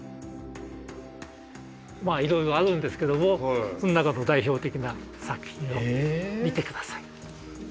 いろいろあるんですけどもその中でも代表的な作品を見て下さい。